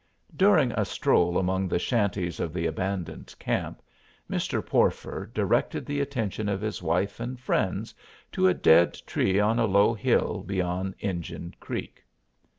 During a stroll among the shanties of the abandoned camp Mr. Porfer directed the attention of his wife and friends to a dead tree on a low hill beyond Injun Creek.